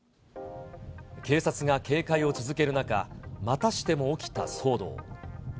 警察が警戒を続ける中、またしても起きた騒動。